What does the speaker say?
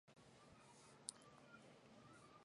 鲁德尔也曾于国防工业担任过军事顾问。